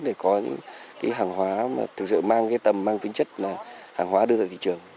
để có những hàng hóa thực sự mang tính chất là hàng hóa đưa ra thị trường